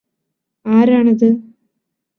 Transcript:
ആരാണത്